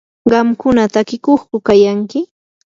¿qamkuna takiykuqku kayanki?